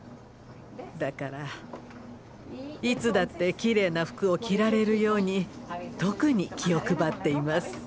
だからいつだってきれいな服を着られるように特に気を配っています。